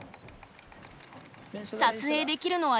撮影できるのは２０秒！